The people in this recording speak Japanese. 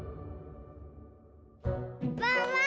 ワンワン